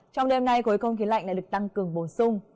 trong đêm nay khối không khí lạnh lại được tăng cường bổ sung